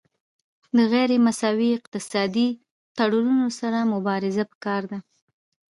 د غیر مساوي اقتصادي تړونونو سره مبارزه پکار ده